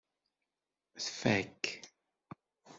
Tfak.